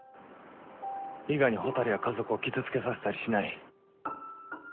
伊賀に蛍や家族を傷つけさせたりしない。